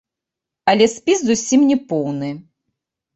Але спіс зусім не поўны.